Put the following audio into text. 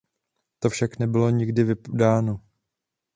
To však nebylo nikdy vydáno.